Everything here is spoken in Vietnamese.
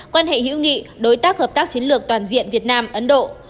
quan hệ hữu nghị đối tác hợp tác chiến lược toàn diện việt nam ấn độ